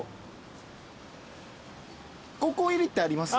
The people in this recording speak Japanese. ５個入りってあります？